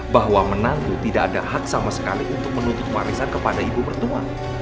bahwa menantu tidak ada hak sama sekali untuk menuntut parisan kepada ibu bertua